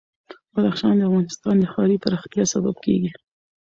بدخشان د افغانستان د ښاري پراختیا سبب کېږي.